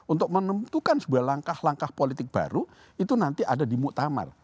untuk menentukan sebuah langkah langkah politik baru itu nanti ada di muktamar